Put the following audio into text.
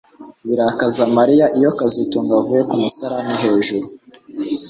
Birakaza Mariya iyo kazitunga avuye ku musarani hejuru